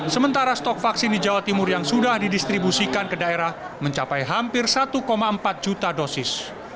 sementara stok vaksin di jawa timur yang sudah didistribusikan ke daerah mencapai hampir satu empat juta dosis